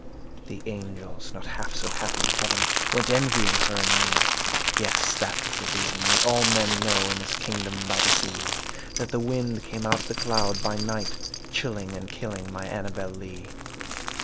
The angels, not half so happy in heaven, Went envying her and me; Yes, that was the reason (as all men know, In this kingdom by the sea) That the wind came out of the cloud by night, Chilling and killing my Annabel Lee.